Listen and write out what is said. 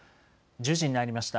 １０時になりました。